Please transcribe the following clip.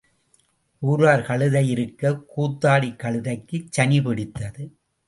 ஊர்க் கழுதை இருக்கக் கூத்தாடிக் கழுதைக்குச் சனி பிடித்தது.